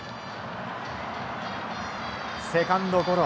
セカンドゴロ。